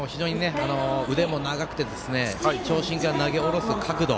腕も長くて長身から投げ下ろす角度